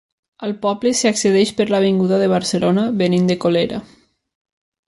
Al poble, s'hi accedeix per l'avinguda de Barcelona, venint de Colera.